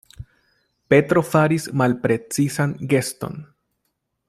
Petro faris malprecizan geston.